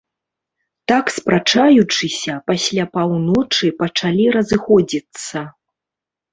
Так спрачаючыся, пасля паўночы пачалі разыходзіцца.